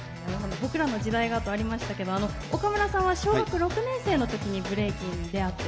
僕らの時代がとありましたが岡村さんは小学６年生のときブレイキンに出会って。